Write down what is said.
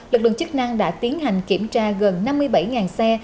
lực lượng chức năng đã tiến hành kiểm tra gần năm mươi bảy xe